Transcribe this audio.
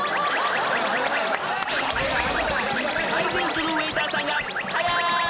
［配膳するウエーターさんがはやい！］